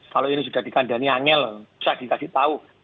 kalau ini sudah dikandali anggel susah dikasih tahu